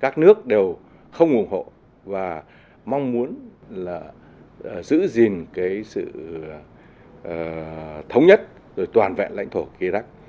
các nước đều không ủng hộ và mong muốn là giữ gìn cái sự thống nhất rồi toàn vẹn lãnh thổ iraq